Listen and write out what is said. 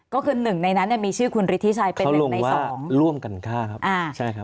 ก็คือหนึ่งในนั้นเนี่ยมีชื่อคุณฤทธิชัยเป็นหนึ่งในสองเขาลงว่าร่วมกันฆ่าครับอ่าใช่ครับ